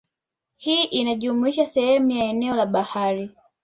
Hii inajumuisha sehemu ya eneo la bahari